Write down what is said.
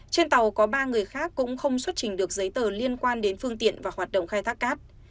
trên tàu có ba người khác cũng không xuất trình được giấy tờ liên quan đến phương tiện và hoạt động khai thác cát